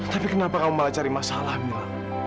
tapi kenapa kamu malah cari masalah mila